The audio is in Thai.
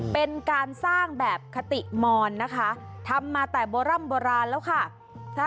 เป็นการสร้างแบบคติมอนนะคะทำมาแต่โบร่ำโบราณแล้วค่ะ